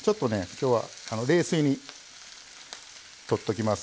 きょうは冷水にとっときます。